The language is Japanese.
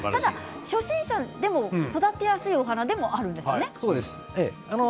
初心者でも育てやすいお花なんですよね。